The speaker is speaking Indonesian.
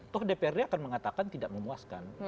toh dprd akan mengatakan tidak memuaskan